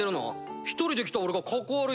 １人で来た俺がカッコ悪いじゃん。